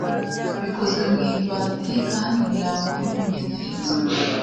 bikozwe mu ibati kandi birangwa n'ibimenyetso